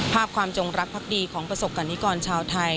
ภาพความจงรักภักดีของประสบกรณิกรชาวไทย